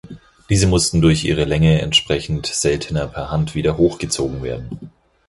Diese mussten durch ihre Länge entsprechend seltener per Hand wieder hochgezogen werden.